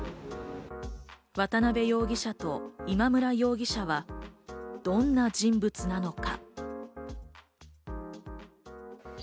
渡辺容疑者と今村容疑者はどんな人物なのか？